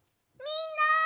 みんな！